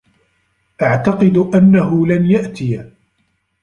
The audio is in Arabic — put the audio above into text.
أعتقد أنّه لن يأتي.